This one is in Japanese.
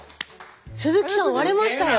鈴木さん割れましたよ。